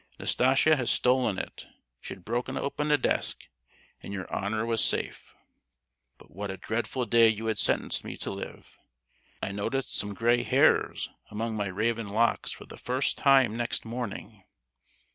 Nastasia had stolen it; she had broken open a desk, and your honour was safe! "But what a dreadful day you had sentenced me to live! I noticed some grey hairs among my raven locks for the first time, next morning!